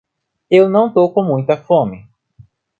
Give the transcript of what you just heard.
Eu não tô com muita fome.